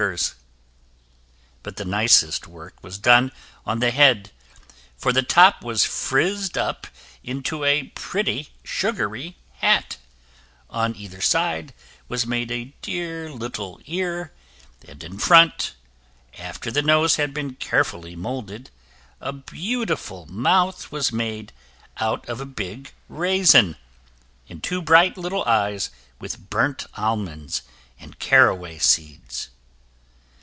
But the nicest work was done on the head, for the top was frizzed up into a pretty sugary hat; on either side was made a dear little ear, and in front, after the nose had been carefully moulded, a beautiful mouth was made out of a big raisin, and two bright little eyes with burnt almonds and caraway seeds.